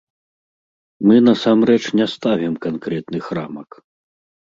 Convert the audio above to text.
Мы насамрэч не ставім канкрэтных рамак.